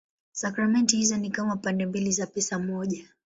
Sakramenti hizo ni kama pande mbili za pesa moja.